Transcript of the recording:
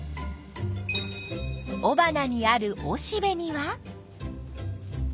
おばなにあるおしべには。